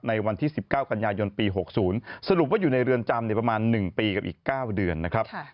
ในวันที่๑๙กันยายนปี๖๐สรุปว่าอยู่ในเรือนจำประมาณ๑ปีกับอีก๙เดือนนะครับ